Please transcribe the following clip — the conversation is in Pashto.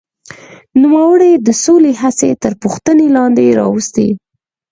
نوموړي د سولې هڅې تر پوښتنې لاندې راوستې.